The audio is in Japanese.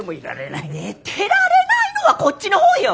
寝てられないのはこっちの方よ！